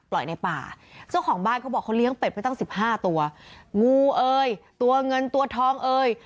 ในป่าเจ้าของบ้านเขาบอกเขาเลี้ยงเป็ดไปตั้งสิบห้าตัวงูเอ่ยตัวเงินตัวทองเอ่ย